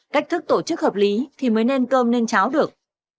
cách thức tổ chức hợp lý thì mới nên cơm nên cháo được